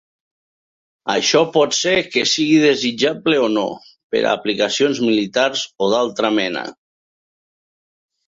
Això pot ser que sigui desitjable o no per a aplicacions militars o d'altra mena.